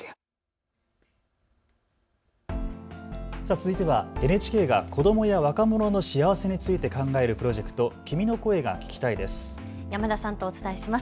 続いてはＮＨＫが子どもや若者の幸せについて考えるプロジェクト、君の声が聴きたいです。